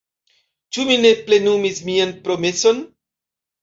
Ĉu mi ne plenumis mian promeson?